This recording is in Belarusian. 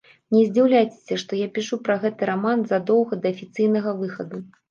Не здзіўляйцеся, што я пішу пра гэты раман задоўга да афіцыйнага выхаду.